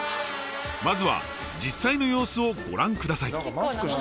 まずは実際の様子をご覧下さい。